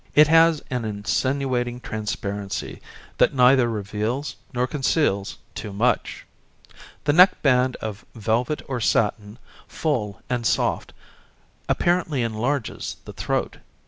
It has an insinuating transparency that neither reveals nor conceals too much. The neck band of velvet or satin, full and soft, apparently enlarges the throat.